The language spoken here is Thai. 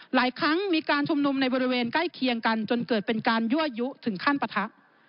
หลายครั้งมีการชุมนุมในบริเวณใกล้เคียงกันจนเกิดเป็นการยั่วยุถึงขั้นปะทะ